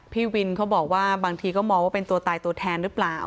พี่วินเขาบอกว่าบางทีก็มองว่าเป็นตัวตายตัวแทนหรือเปล่า